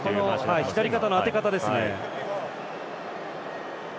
左肩の当て方ですね。